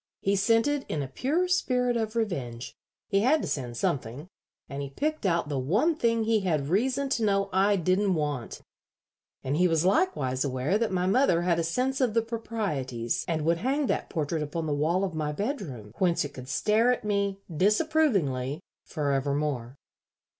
He sent it in a pure spirit of revenge. He had to send something, and he picked out the one thing he had reason to know I didn't want; and he was likewise aware that my mother had a sense of the proprieties and would hang that portrait upon the wall of my bedroom, whence it could stare at me, disapprovingly, forevermore.